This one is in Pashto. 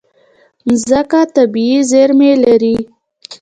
مځکه طبیعي زیرمې لري.